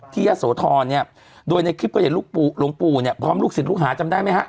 ยะโสธรเนี่ยโดยในคลิปก็เห็นลูกหลวงปู่เนี่ยพร้อมลูกศิษย์ลูกหาจำได้ไหมฮะ